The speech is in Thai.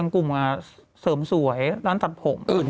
กลุ่มเสริมสวยร้านตัดผม